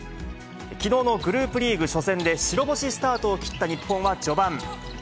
きのうのグループリーグ初戦で白星スタートを切った日本は序盤。